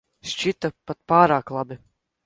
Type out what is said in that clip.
Šķita pat pārāk labi.